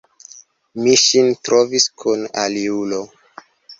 Mi ŝin trovis kun aliulo.